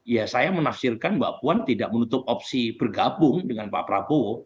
ya saya menafsirkan mbak puan tidak menutup opsi bergabung dengan pak prabowo